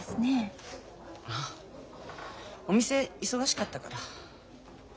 あっお店忙しかったから。